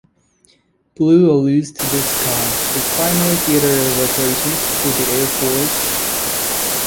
Blue alludes to the sky, the primary theater of operations for the Air Force.